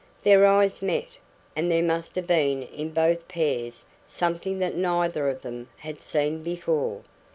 Their eyes met, and there must have been in both pairs something that neither of them had seen before.